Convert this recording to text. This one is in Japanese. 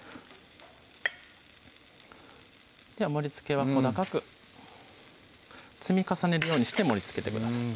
じゃあ盛りつけは小高く積み重ねるようにして盛りつけてください